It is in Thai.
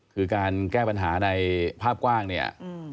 คือการแก้ปัญหาในภาพกว้างเนี่ย